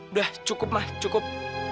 udah cukup mah cukup